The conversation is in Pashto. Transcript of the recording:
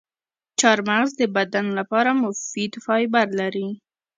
چارمغز د بدن لپاره مفید فایبر لري.